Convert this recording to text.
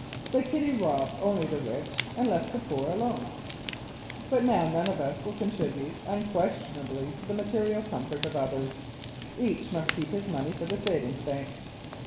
The kitty robbed only the rich and left the poor alone. But now none of us will contribute unquestionably to the material comfort of others. Each must keep his money for the savings bank.